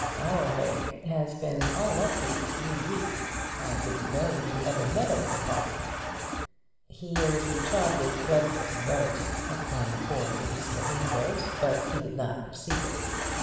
Our hay has been all up these three weeks. I didn't know you ever meadowed the park." Here he trod with dreadful severity upon the corns of Mr. Amedroz, but he did not perceive it.